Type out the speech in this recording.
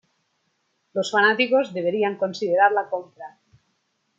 Los fanáticos deberían considerar la compra.